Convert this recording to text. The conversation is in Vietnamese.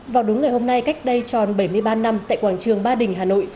vào đúng ngày hôm nay cách đây tròn bảy mươi ba năm tại quảng trường ba đình hà nội